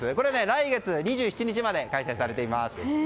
来月２７日まで開催されています。